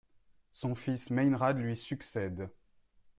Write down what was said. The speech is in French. Son fils Meinrad lui succède.